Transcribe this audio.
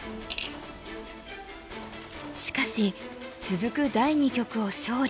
しかし続く第二局を勝利。